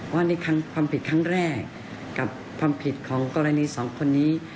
ว่านี่ความผิดครั้งแรกกับความผิดของกรณีสองคนนี้